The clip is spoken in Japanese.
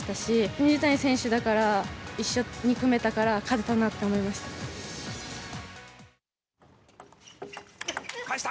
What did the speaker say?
水谷選手だから、一緒に組めたから、勝てたなって思いました。